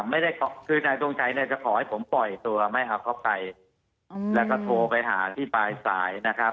ไม่ได้คือนายทรงชัยเนี่ยจะขอให้ผมปล่อยตัวไม่เอาเข้าไปแล้วก็โทรไปหาที่ปลายสายนะครับ